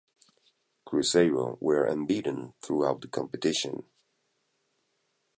Cruzeiro were unbeaten throughout the competition.